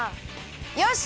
よし！